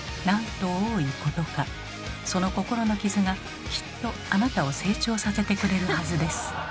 その心の傷がきっとあなたを成長させてくれるはずです。